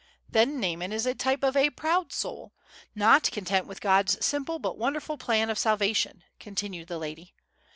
"Then Naaman is a type of a proud soul, not content with God's simple but wonderful plan of salvation," continued the lady.